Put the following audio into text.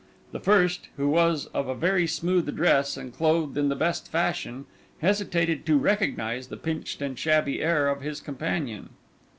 The first, who was of a very smooth address and clothed in the best fashion, hesitated to recognise the pinched and shabby air of his companion.